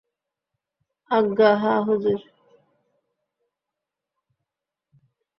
আজ্ঞা হাঁ হুজুর।